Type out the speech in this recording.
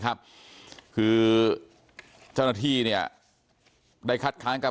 เพราะไม่เคยถามลูกสาวนะว่าไปทำธุรกิจแบบไหนอะไรยังไง